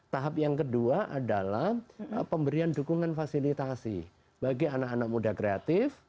tahap yang kedua adalah pemberian dukungan fasilitasi bagi anak anak muda kreatif